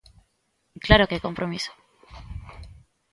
¡Claro que hai compromiso!